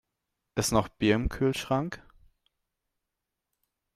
Ist noch Bier im Kühlschrank?